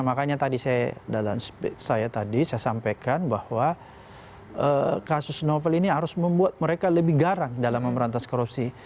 makanya tadi saya dalam speech saya tadi saya sampaikan bahwa kasus novel ini harus membuat mereka lebih garang dalam memerantas korupsi